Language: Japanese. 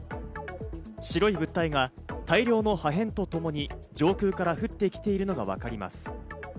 白い物体が大量の破片とともに、上空から降ってきているのがわかります。